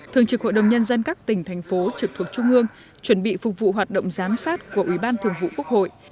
thường trực hội đồng nhân dân các tỉnh thành phố trực thuộc trung ương chuẩn bị phục vụ hoạt động giám sát của ủy ban thường vụ quốc hội